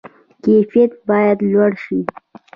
کیفیت باید لوړ شي